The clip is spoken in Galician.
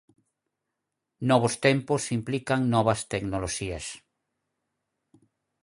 Novos tempos implican novas tecnoloxías.